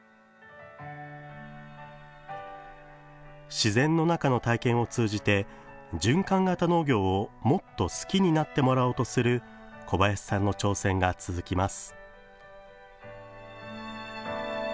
自然の中の体験を通じて循環型農業をもっと好きになってもらおうとする小林さんの挑戦が続きます。